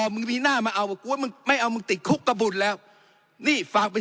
มึงมีหน้ามาเอาว่ากลัวมึงไม่เอามึงติดคุกกระบุญแล้วนี่ฝากไป